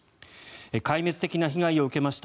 壊滅的な被害を受けました